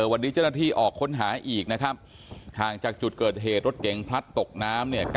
วันนี้เจ้าหน้าที่ออกค้นหาอีกนะครับห่างจากจุดเกิดเหตุรถเก๋งพลัดตกน้ำเนี่ย